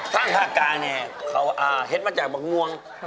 ภาคกลางนี่เขาเห็นมาจากภาคม่วง